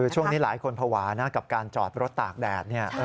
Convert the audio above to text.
ช่วงนี้หลายคนภาวะนะกับการจอดรถตากแดดเนี่ย